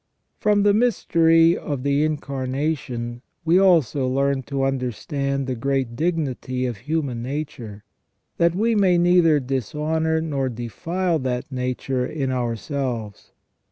From the mystery of the In carnation we also learn to understand the great dignity of human nature, that we may neither dishonour nor defile that nature in our selves.